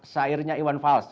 sairnya iwan fals